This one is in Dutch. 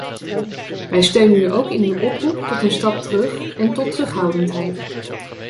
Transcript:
Wij steunen u ook in uw oproep tot een stap terug en tot terughoudendheid.